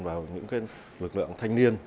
vào những lực lượng thanh niên